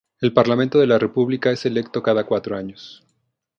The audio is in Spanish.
El parlamento de la república es electo cada cuatro años.